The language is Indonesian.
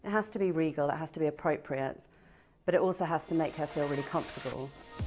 ini harus berfungsi secara regal harus sesuai tapi juga harus membuatnya merasa sangat nyaman